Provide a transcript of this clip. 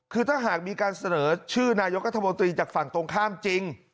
คือถ้าหากมีการเสนอชื่อนายกรัฐมนตรีจากฝั่งตรงข้ามจริง